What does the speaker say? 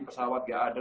pesawat enggak ada